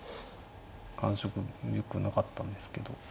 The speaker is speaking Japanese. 感触もよくなかったんですけど。